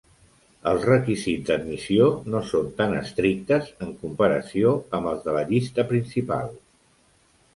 Els requisits d'admissió no són tan estrictes en comparació amb els de la Llista principal.